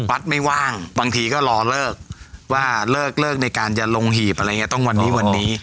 วัดไม่ว่างบางทีก็รอเลิกว่าเลิกเลิกในการจะลงหีบอะไรอย่างเงี้ต้องวันนี้วันนี้